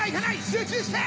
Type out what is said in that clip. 集中して！